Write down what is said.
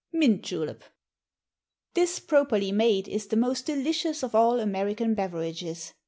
Mint Julep. This, properly made, is the most delicious of all American beverages.